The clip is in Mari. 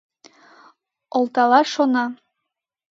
Олталаш шона!..